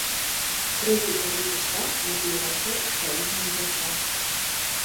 Трэці па ліку штат, які ўвайшоў у саюзную дзяржаву.